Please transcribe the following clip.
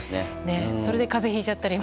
それで風邪ひいちゃったり。